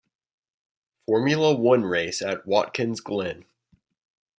Formula One race at Watkins Glen.